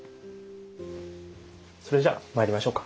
それじゃまいりましょうか。